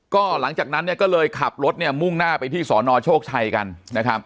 ก็หลังจากนั้นเนี่ยก็เลยขับรถเนี่ยมุ่งหน้าไปที่สนโชคชัยกันนะครับ